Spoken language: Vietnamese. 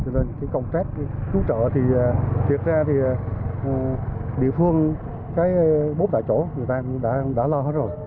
với công trách cứu trợ thì thiệt ra thì địa phương bốp tại chỗ người ta đã lo hết rồi